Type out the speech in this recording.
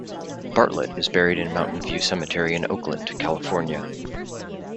Bartlett is buried in Mountain View Cemetery in Oakland, California.